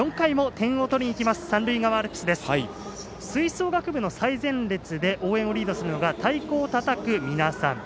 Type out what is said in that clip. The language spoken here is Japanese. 吹奏楽部の最前列で応援をリードするのが太鼓をたたく皆さん。